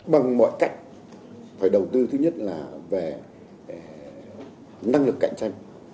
bằng mọi cách phải đầu tư thứ nhất là về năng lực kinh tế